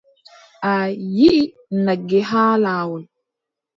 A yiʼi nagge haa laawol.